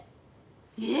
えっ！？